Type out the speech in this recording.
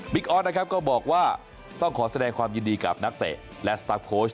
ออสนะครับก็บอกว่าต้องขอแสดงความยินดีกับนักเตะและสตาร์ฟโค้ช